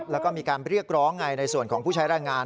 แล้วก็มีการเรียกร้องไงในส่วนของผู้ใช้แรงงาน